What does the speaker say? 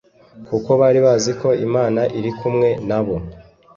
kuko bari bazi ko Imana iri kumwe na bo